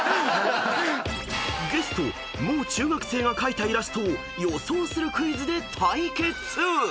［ゲストもう中学生が描いたイラストを予想するクイズで対決！］